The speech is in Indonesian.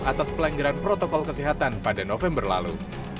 atas pelanggaran protokol kesehatan pada november lalu